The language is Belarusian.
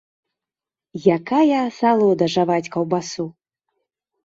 Якая асалода жаваць каўбасу!